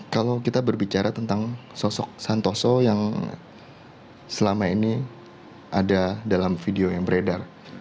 kalau kita berbicara tentang sosok santoso yang selama ini ada dalam video yang beredar